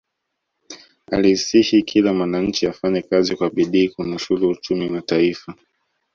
alisihi kila mwananchi afanye kazi kwa bidii kunusulu uchumi wa taifa